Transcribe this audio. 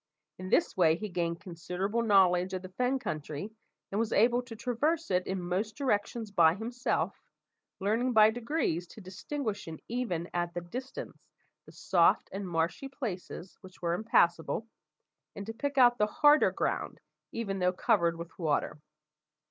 In this way he gained considerable knowledge of the fen country, and was able to traverse it in most directions by himself, learning by degrees to distinguish even at a distance the soft and marshy places which were impassable, and to pick out the harder ground, even though covered with water.